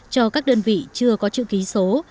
cho các đơn vị chưa có chữ ký số